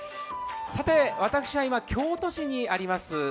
さて私は京都市にあります